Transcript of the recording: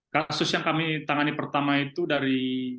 kasus yang kami tangani pertama itu dari